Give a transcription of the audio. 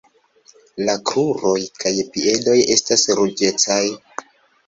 La kruroj kaj piedoj estas ruĝecaj.